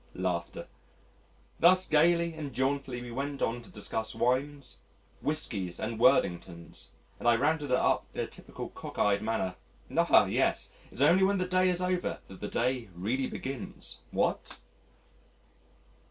Thus gaily and jauntily we went on to discuss wines, whiskies, and Worthington's, and I rounded it up in a typical cock eyed manner, "Ah! yes, it's only when the day is over that the day really begins what?"